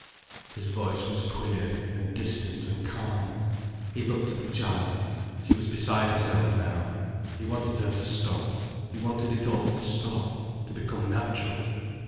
His voice was queer and distant and calm. He looked at the child. She was beside herself now. He wanted her to stop, he wanted it all to stop, to become natural.